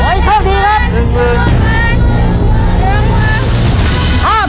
โยยเข้าดีครับ